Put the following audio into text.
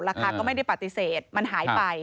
ก็ไม่ได้ปฏิเสธมันหายไป